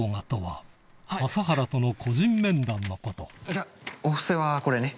じゃあお布施はこれね。